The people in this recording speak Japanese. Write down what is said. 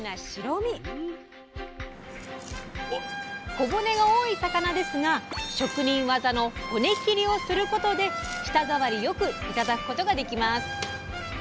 小骨が多い魚ですが職人技の「骨切り」をすることで舌触り良く頂くことができます。